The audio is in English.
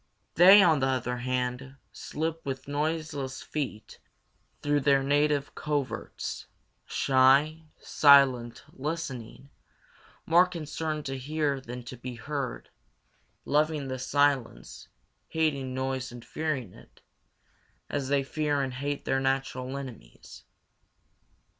They, on the other hand, slip with noiseless feet through their native coverts, shy, silent, listening, more concerned to hear than to be heard, loving the silence, hating noise and fearing it, as they fear and hate their natural enemies.